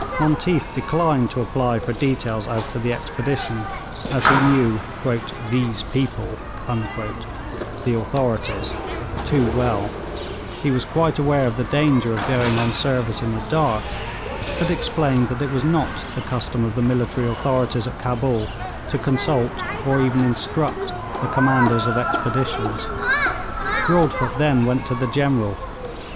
Monteath declined to apply for details as to the expedition, as he knew 'these people' (the authorities) too well; he was quite aware of the danger of going on service in the dark, but explained that it was not the custom of the military authorities at Cabul to consult or even instruct the commanders of expeditions. Broadfoot then went to the General.